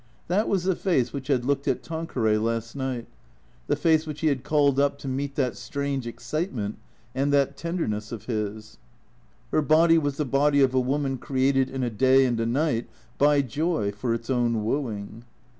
That was the face which had looked at Tanqueray last night; the face which he had called up to meet that strange excitement and that tender ness of his. Her body was the body of a woman created in a day and a night by joy for its own wooing.